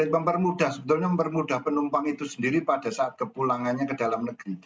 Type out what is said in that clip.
mempermudah sebetulnya mempermudah penumpang itu sendiri pada saat kepulangannya ke dalam negeri